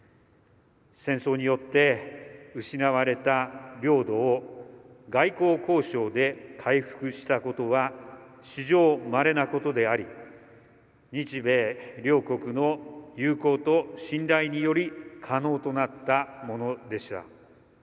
戦争によって失われた領土を外交交渉で回復したことは史上まれなことであり日米両国の友好と信頼により可能となったものでした。